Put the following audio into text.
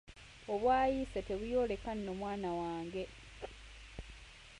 Obwayiise tebuyooleka nno mwana wange!